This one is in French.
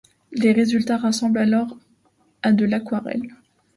Les résultats ressemblent alors à de l'aquarelle.